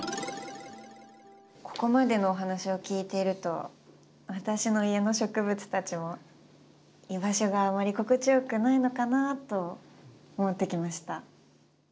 ここまでのお話を聞いていると私の家の植物たちも居場所があまり心地よくないのかなと思ってきました。